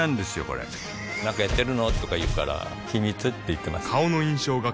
これなんかやってるの？とか言うから秘密って言ってます